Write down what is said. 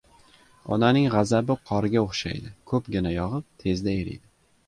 • Onaning g‘azabi qorga o‘xshaydi: ko‘pgina yog‘ib, tezda eriydi.